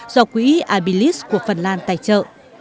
do quỹ abilis của phần lan tài trợ